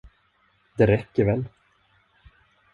Det räcker väl?